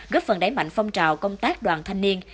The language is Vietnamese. góp phần đẩy mạnh phong trào công tác đoàn thanh niên